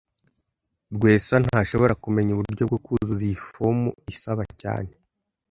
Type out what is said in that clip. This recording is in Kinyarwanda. Rwesa ntashobora kumenya uburyo bwo kuzuza iyi fomu isaba cyane